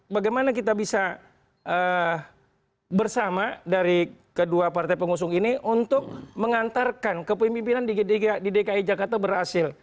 bagaimana kita bisa bersama dari kedua partai pengusung ini untuk mengantarkan kepemimpinan di dki jakarta berhasil